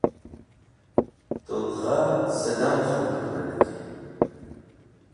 Tut gha sidam khalg tiwetk.